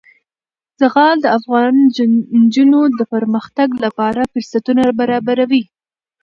زغال د افغان نجونو د پرمختګ لپاره فرصتونه برابروي.